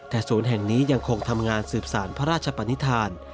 แต่ศูนย์แห่งนี้ยังคงทำงานสืบสารพระราชปนิษฐาน